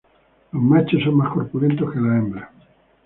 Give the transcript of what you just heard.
Los machos son más corpulentos que las hembras.